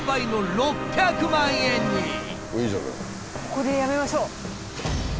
ここでやめましょう。